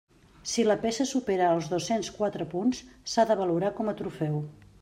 Si la peça supera els dos-cents quatre punts, s'ha de valorar com a trofeu.